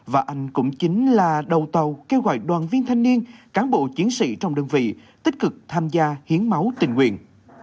và anh cũng chính là đầu tàu kêu gọi đoàn viên thanh niên cán bộ chiến sĩ trong đơn vị tích cực tham gia hiến máu tình nguyện